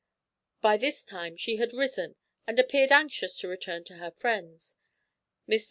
By this time she had risen, and appeared anxious to return to her friends. Mr.